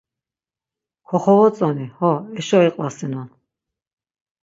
Koxovotzoni, xo eşo iqvasinon.